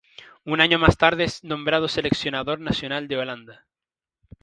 Un año más tarde es nombrado Seleccionador Nacional de Holanda.